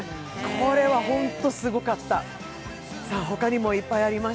これは本当すごかった。